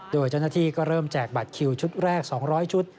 โดยเจ้าหน้าที่ก็เริ่มแจกบัตรคิวชุดแรก๒๐๐ชุด